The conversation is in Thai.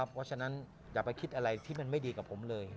เพราะฉะนั้นอย่าไปคิดอะไรที่มันไม่ดีกับผมเลย